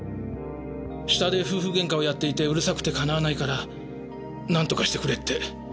下で夫婦喧嘩をやっていてうるさくてかなわないからなんとかしてくれって。